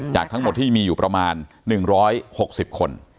จากทั้งหมดที่มีอยู่ประมาณ๑๖๐คน